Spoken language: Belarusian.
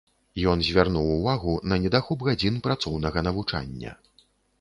Ён звярнуў увагу на недахоп гадзін працоўнага навучання.